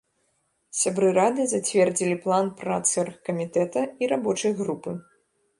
Сябры рады зацвердзілі план працы аргкамітэта і рабочай групы.